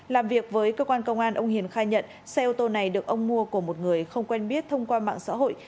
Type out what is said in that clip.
làm việc với cơ quan công an ông hiền khai nhận xe ô tô này được ông mua của một người không quen biết thông qua mạng xã hội